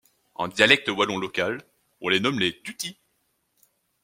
En dialecte wallon local, on les nomme les Dûtis.